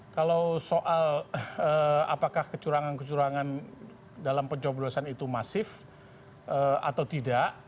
kalau soal apakah kecurangan kecurangan dalam pencoblosan itu masif atau tidak